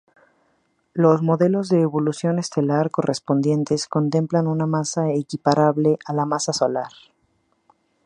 Los modelos de evolución estelar correspondientes contemplan una masa equiparable a la masa solar.